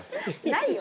ないよ。